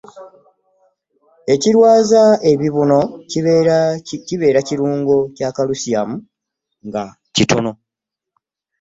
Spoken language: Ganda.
Ekirwaza ebibuno kibeera kirungo kya kalisiyamu nga kitono.